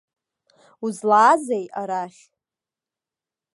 Узлаазеи арахь?